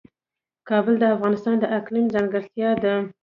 کابل د افغانستان د اقلیم ځانګړتیا ده.